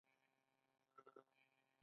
وچکالي هلته یوه لویه ستونزه ده.